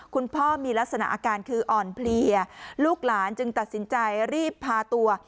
คุณพ่อมีลักษณะอาการคืออ่อนเพลียลูกหลานจึงตัดสินใจรีบพาตัว